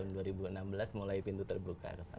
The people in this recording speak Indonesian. tahun dua ribu enam belas mulai pintu terbuka